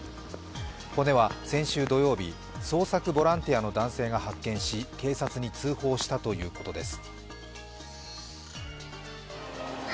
骨は先週土曜日、捜索ボランティアの男性が発見し警察に通報したということです。